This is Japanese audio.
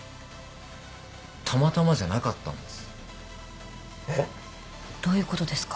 たまたまじゃなかったんです。えっ？どういうことですか？